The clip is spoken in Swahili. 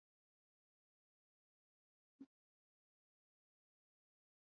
Usafi wa mazingira na uendelezaji wa usafi wa mazingira unafaa kuunganishwa na maendeleo